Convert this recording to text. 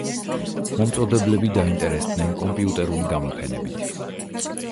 მომწოდებლები დაინტერესდნენ კომპიუტერული გამოფენებით.